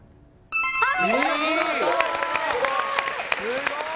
・すごーい！